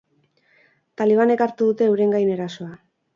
Talibanek hartu dute euren gain erasoa.